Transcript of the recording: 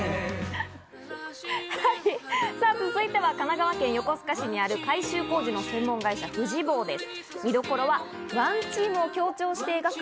続いては神奈川県横須賀市にある改修工事の専門会社・富士防です。